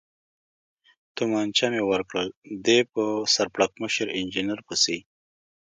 تومانچه مې ورکړل، دی په سر پړکمشر انجنیر پسې.